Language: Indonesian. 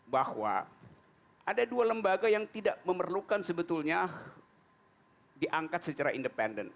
bahwa ada dua lembaga yang tidak memerlukan sebetulnya diangkat secara independen